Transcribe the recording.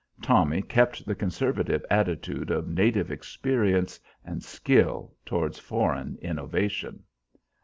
Tommy kept the conservative attitude of native experience and skill towards foreign innovation.